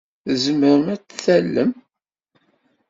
Tzemrem ad d-tallem?